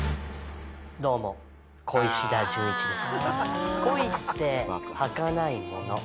どうも小石田純一です。